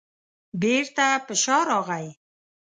بېرته په شا راغی.